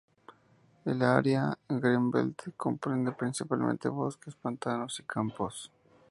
El área del Greenbelt comprende principalmente bosques, pantanos y campos.